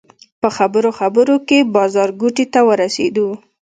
په خبرو خبرو کې بازارګوټي ته ورسېدو.